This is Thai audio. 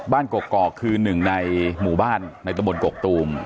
บ้านกกกอกคือ๑ในหมู่บ้านในตำบลกกตูม